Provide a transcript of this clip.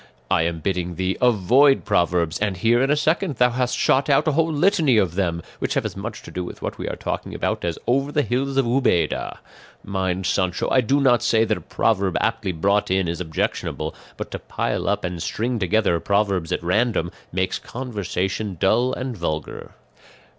I am bidding thee avoid proverbs, and here in a second thou hast shot out a whole litany of them, which have as much to do with what we are talking about as 'over the hills of Ubeda.' Mind, Sancho, I do not say that a proverb aptly brought in is objectionable; but to pile up and string together proverbs at random makes conversation dull and vulgar.